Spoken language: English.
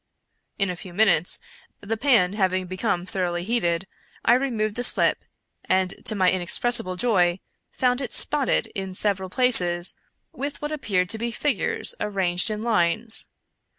In a few minutes, the pan having become thoroughly heated, I removed the slip, and, to my inexpressible joy, found it spotted, in several places, with what appeared to be figures arranged in lines.